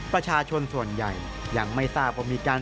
ประชาชนส่วนใหญ่ยังไม่ทราบว่ามีการ